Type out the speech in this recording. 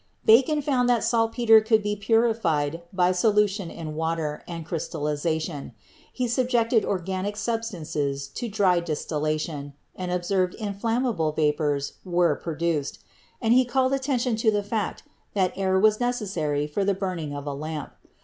Bacon found that saltpeter could be purified by solution in water and crystallization; he subjected organic sub stances to dry distillation and observed that inflammable vapors were produced; and he called attention to the fact that air was necessary for the burning of a lamp.